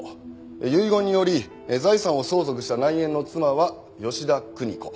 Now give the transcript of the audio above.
遺言により財産を相続した内縁の妻は吉田久仁子。